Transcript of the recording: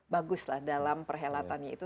bagus dalam perhelatannya itu